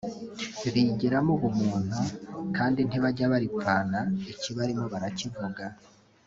bigiramo ubumuntu kandi ntibajya baripfana ikibarimo barakivuga